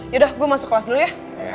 yaudah gue masuk kelas dulu ya